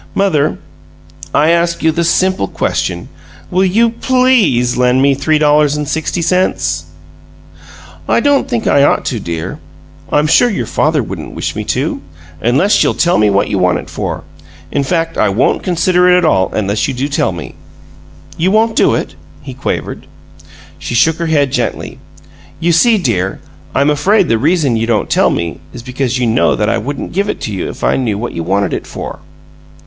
Mother, I ask you the simple question: Will you PLEASE lend me three dollars and sixty cents?" "I don't think I ought to, dear. I'm sure your father wouldn't wish me to, unless you'll tell me what you want it for. In fact, I won't consider it at all unless you do tell me." "You won't do it?" he quavered. She shook her head gently. "You see, dear, I'm afraid the reason you don't tell me is because you know that I wouldn't give it to you if I knew what you wanted it for."